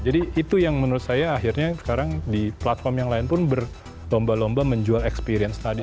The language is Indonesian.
jadi itu yang menurut saya akhirnya sekarang di platform yang lain pun berlomba lomba menjual experience tadi